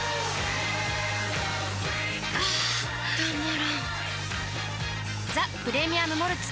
あたまらんっ「ザ・プレミアム・モルツ」